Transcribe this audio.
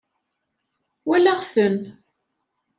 Walaɣ-ten.